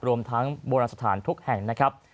รวมทั้งโบราณสถานทุกแห่งนะครับ